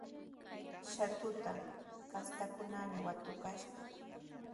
Shatuta kastankunami watukayashqa.